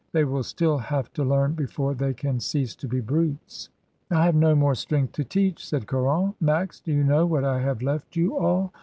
They will still have to learn before they can cease to be brutes." "I have no more strength to teach," said Caron. "Max, do you know that I have left you all?